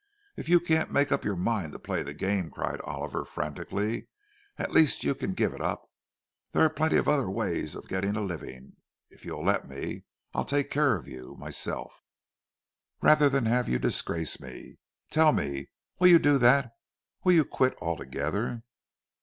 "If you can't make up your mind to play the game," cried Oliver, frantically, "at least you can give it up! There are plenty of other ways of getting a living—if you'll let me, I'll take care of you myself, rather than have you disgrace me. Tell me—will you do that? Will you quit altogether?"